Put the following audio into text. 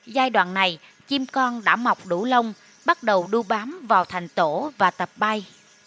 giai đoạn này chim con đã mọc đủ lông bắt đầu đu bám vào thành tổ và tập bay